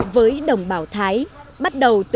với đồng bào thái bắt đầu làm cơm xôi